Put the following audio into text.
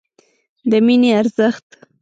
د مینې ارزښت